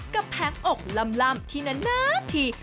แผงอกล่ำที่นานที